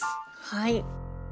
はい。